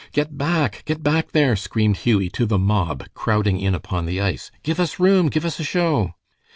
"Get back! Get back there!" screamed Hughie to the mob crowding in upon the ice. "Give us room! Give us a show!"